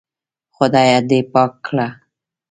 خدايکه دې پاکه کړه.